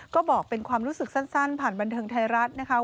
ก็บอกเป็นความรู้สึกสั้นผ่านบันเทิงไทยรัฐนะคะ